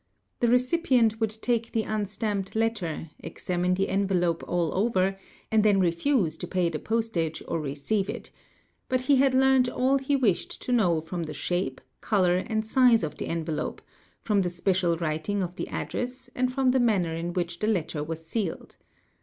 The recipient would take the unstamped letter, examine the envelope all over, and then refuse to pay the postage or receive it ; but he had learnt all he wished to know from the shape, colour, and size the envelope, from the special writing of the address, and from the manner in which the letter was sealed.